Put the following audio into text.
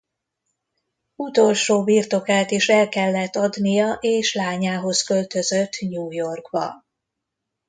Utolsó birtokát is el kellett adnia és lányához költözött New Yorkba.